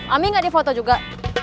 ami nggak di foto juga